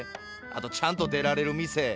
あとちゃんと出られる店！